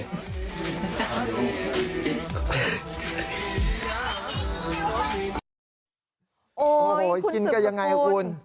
โอ้โฮคุณสุขคุณกินกันอย่างไรครับคุณ